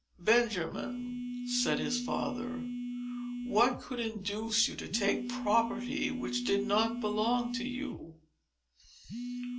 "Benjamin," said his father, "what could induce you to take property which did not belong to you?"